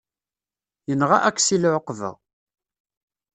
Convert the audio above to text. Yenɣa Aksil ɛuqba.